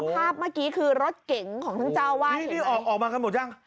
แล้วสภาพเมื่อกี้คือรถเก่งของท่านเจ้าอาวาสเห็นนไหม